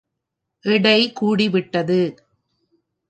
எடை கூடி விட்டது.